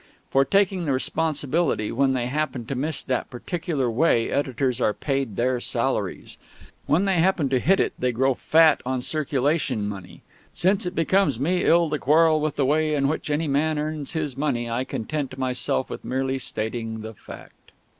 For taking the responsibility when they happen to miss that particular way editors are paid their salaries. When they happen to hit it they grow fat on circulation money: Since it becomes me ill to quarrel with the way in which any man earns his money, I content myself with merely stating the fact.